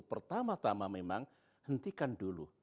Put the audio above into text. pertama tama memang hentikan dulu